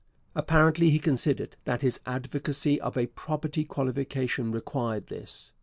Apparently he considered that his advocacy of a property qualification required this.